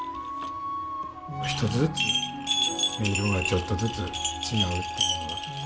一つずつ音色がちょっとずつ違うっていうのが。